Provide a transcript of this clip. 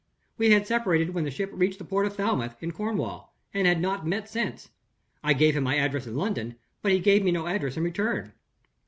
We had separated when the ship reached the port of Falmouth, in Cornwall, and had not met since. I gave him my address in London; but he gave me no address in return.